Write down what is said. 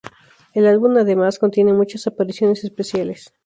El álbum además contiene muchas apariciones especiales.